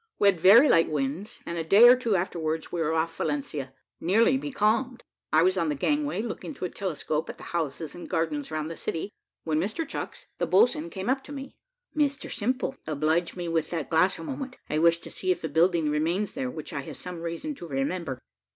We had very light winds, and a day or two afterwards we were off Valencia, nearly becalmed. I was on the gangway, looking through a telescope at the houses and gardens round the city, when Mr Chucks, the boatswain, came up to me. "Mr Simple, oblige me with that glass a moment; I wish to see if a building remains there, which I have some reason to remember."